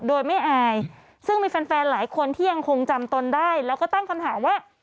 โดยไม่อายซึ่งมีแฟนแฟนหลายคนที่ยังคงจำตนได้แล้วก็ตั้งคำถามว่า